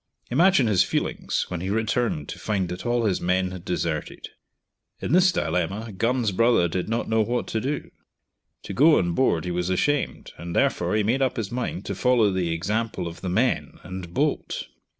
Imagine his feelings when he returned to find that all his men had deserted. In this dilemma Gun's brother did not know what to do; to go on board he was ashamed, and therefore he made up his mind to follow the example of the men and bolt.